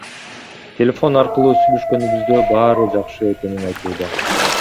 Телефон аркылуу сүйлөшкөнүбүздө баары жакшы экенин айтууда.